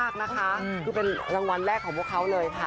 คือเป็นรางวัลแรกของพวกเขาเลยค่ะ